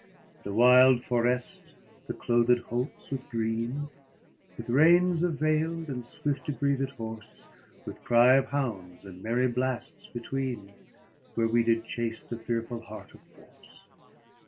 The wild forést, the clothed holts with green; With reins availed, and swift ybreathéd horse, With cry of hounds, and merry blasts between, Where we did chase the fearful hart of force.